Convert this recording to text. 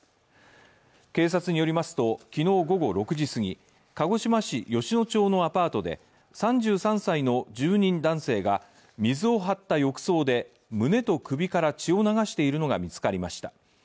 警察によりますと、昨日午後６時過ぎ、鹿児島市吉野町のアパートで３３歳の住人男性が水を張った浴槽で胸と首から血を流しているのが見つかりました。